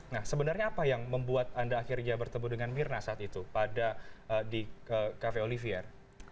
nah sebenarnya apa yang membuat anda akhirnya bertemu dengan mirna saat itu di cafe olivier